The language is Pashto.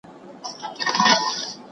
اقتصاد د شتمنۍ سم استعمال دی.